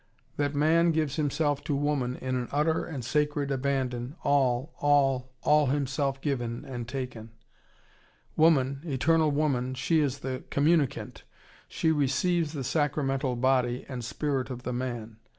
That man gives himself to woman in an utter and sacred abandon, all, all, all himself given, and taken. Woman, eternal woman, she is the communicant. She receives the sacramental body and spirit of the man.